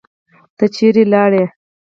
ته چیرې لاړې؟